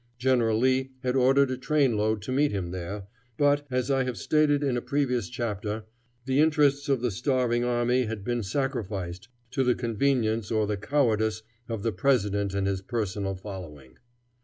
General Lee had ordered a train load to meet him there, but, as I have stated in a previous chapter, the interests of the starving army had been sacrificed to the convenience or the cowardice of the president and his personal following.